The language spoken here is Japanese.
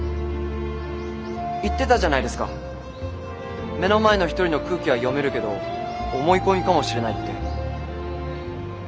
言ってたじゃないですか目の前の一人の空気は読めるけど思い込みかもしれないって。